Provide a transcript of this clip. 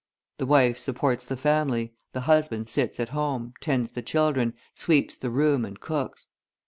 The wife supports the family, the husband sits at home, tends the children, sweeps the room and cooks.